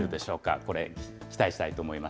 これ、期待したいと思います。